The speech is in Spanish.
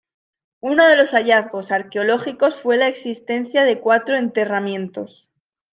Uno de los hallazgos arqueológicos fue la existencia de cuatro enterramientos.